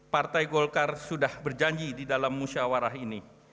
partai golkar sudah berjanji di dalam musyawarah ini